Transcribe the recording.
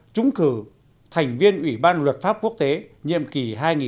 trúng cử thành viên ủy ban luật pháp quốc tế nhiệm kỳ hai nghìn một mươi năm hai nghìn hai mươi một